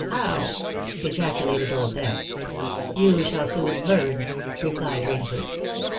—how?" ejaculated Old Death. "You shall soon learn," replied Rainford.